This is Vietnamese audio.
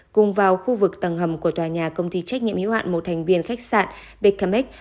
cùng vào khu vực tầng hầm của tòa nhà công ty trách nhiệm hiếu hạn một thành viên khách sạn bkmex